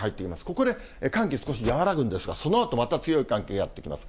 ここで寒気、少し和らぐんですが、そのあとまた強い寒気がやって来ます。